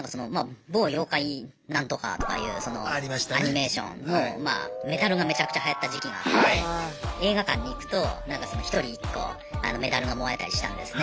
アニメーションのメダルがめちゃくちゃはやった時期があって映画館に行くと１人１個メダルがもらえたりしたんですね。